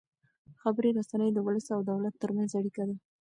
خبري رسنۍ د ولس او دولت ترمنځ اړیکه ده.